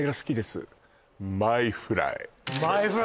マイフライ